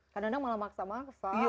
kadang kadang malah maksa maksa gitu ya